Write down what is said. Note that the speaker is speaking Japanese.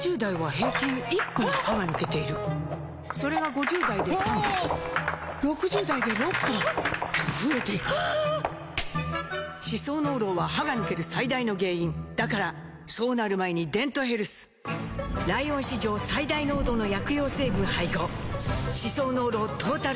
平均１本歯が抜けているそれが５０代で３本６０代で６本と増えていく歯槽膿漏は歯が抜ける最大の原因だからそうなる前に「デントヘルス」ライオン史上最大濃度の薬用成分配合歯槽膿漏トータルケア！